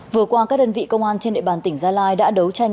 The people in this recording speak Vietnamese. vừa qua các đơn vị công an trên địa bàn tỉnh gia lai đã đấu tranh